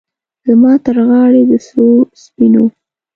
زما ترغاړې د سرو، سپینو،